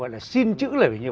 gọi là xin chữ